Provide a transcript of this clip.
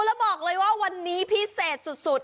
แล้วบอกเลยว่าวันนี้พิเศษสุด